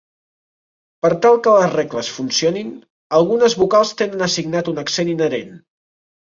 Per tal que les regles funcionin, algunes vocals tenen assignat un accent inherent.